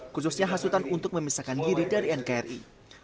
khususnya hasutan untuk memisahkan diri dari nkri